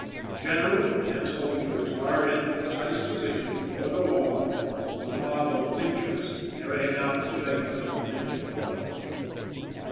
General and soldiers are in the precise position, before the law, of a mob of Lynchers carrying out the judgment of a Lynch court.